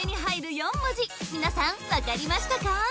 ４文字皆さん分かりましたか？